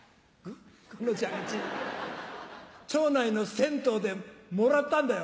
この蛇口町内の銭湯でもらったんだよ